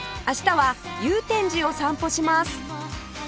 明日は祐天寺を散歩します